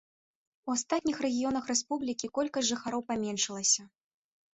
У астатніх рэгіёнах рэспублікі колькасць жыхароў паменшылася.